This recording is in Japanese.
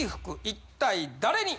一体誰に？